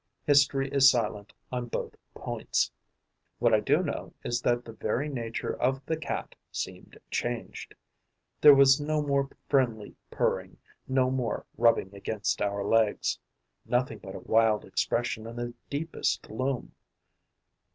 History is silent on both points. What I do know is that the very nature of the Cat seemed changed: there was no more friendly purring, no more rubbing against our legs; nothing but a wild expression and the deepest gloom.